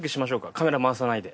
カメラ回さないで。